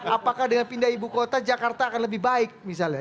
apakah dengan pindah ibu kota jakarta akan lebih baik misalnya